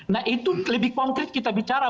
nah itu lebih konkret kita bicara